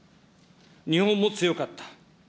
日本も強かった。